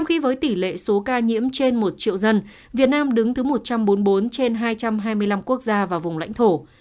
khi với tỷ lệ số ca nhiễm trên một triệu dân việt nam đứng thứ một trăm bốn mươi bốn trên hai trăm hai mươi năm quốc gia và vùng lãnh thổ